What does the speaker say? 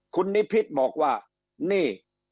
คุณนิพิษบอกว่านี่